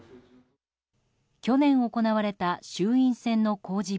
去年行われた衆院選の公示